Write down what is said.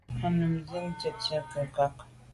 A num nzin njù tèttswe nke nkwa’a.